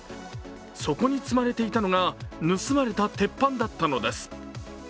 そこに積まれていたのが、盗まれた鉄板だったのです。